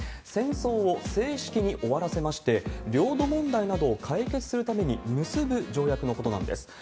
戦争を正式に終わらせまして、領土問題などを解決するために結ぶ条約のことなんです。